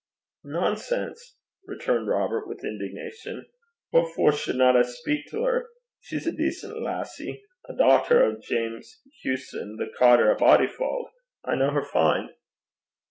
'Nonsense!' returned Robert, with indignation. 'What for shouldna I speik till her? She's a decent lassie a dochter o' James Hewson, the cottar at Bodyfauld. I ken her fine.'